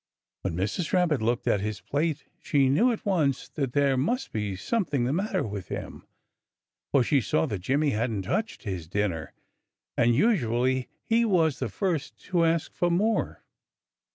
When Mrs. Rabbit looked at his plate she knew at once that there must be something the matter with him, for she saw that Jimmy hadn't touched his dinner. And usually he was the first to ask for more.